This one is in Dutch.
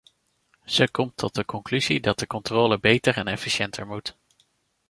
Ze komt tot de conclusie dat de controle beter en efficiënter moet.